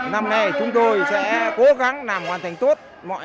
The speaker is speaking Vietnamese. năm nay chúng tôi sẽ cố gắng làm hoàn thành tốt mọi